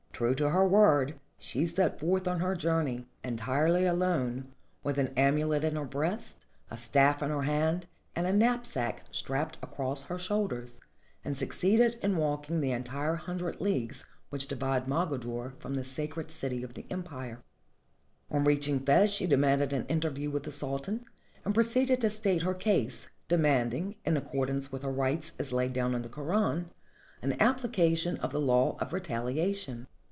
True to her word she set forth on her journey, entirely alone, with an amulet in her breast, a staff in her hand, and a knapsack strapped across her shoulders, and succeeded in walking the entire hundred leagues which divide Mogador from the sacred city of the empire. On reaching Fez she demanded an interview with the Sultan, and proceeded to state her case, demanding, in accordance with her rights as laid down in the Koran, an application of the law of retalia tion.